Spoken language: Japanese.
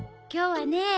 今日はね